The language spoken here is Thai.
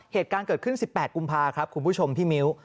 เหตุการณ์เกิดขึ้น๑๘กุมภาครับคุณผู้ชมพี่มิ้ว